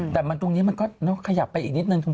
แต่มันตรงนี้มันก็ขยับไปอีกนิดนึง